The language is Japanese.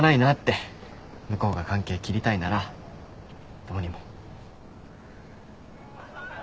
向こうが関係切りたいならどうにも。